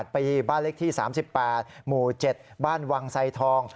ปีบ้านเล็กที่๓๘หมู่๗บ้านวังไซทอง